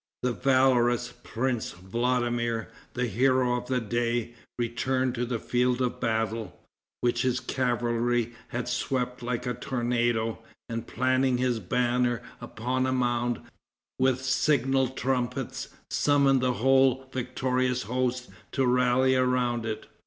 The valorous prince Vladimir, the hero of the day, returned to the field of battle, which his cavalry had swept like a tornado, and planting his banner upon a mound, with signal trumpets, summoned the whole victorious host to rally around it.